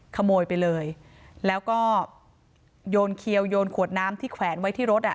ขโมยไปเลยแล้วก็โยนเขียวโยนขวดน้ำที่แขวนไว้ที่รถอ่ะ